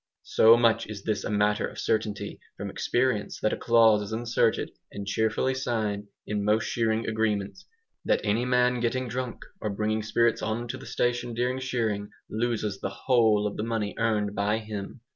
So much is this a matter of certainty from experience that a clause is inserted, and cheerfully signed, in most shearing agreements, "that any man getting drunk or bringing spirits on to the station during shearing, LOSES THE WHOLE OF the money earned by him."